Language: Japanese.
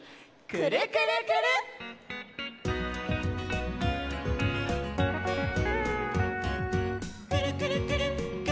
「くるくるくるっくるくるくるっ」